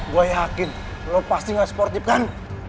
gue yakin lo pasti gak sportif kan